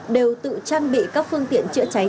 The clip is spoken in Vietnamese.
đều tự trang bị các phương tiện chữa cháy